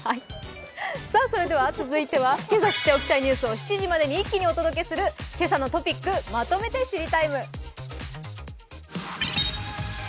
続いてはけさ知っておきたいニュースを７時までに一気にお届けする「けさのトピックまとめて知りＴＩＭＥ，」。